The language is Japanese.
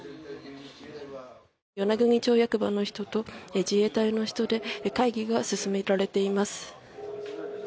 与那国町役場の人と自衛隊の人で会議が進められています。